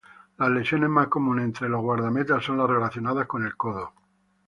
La lesiones más comunes entre los guardametas son las relacionadas con el codo.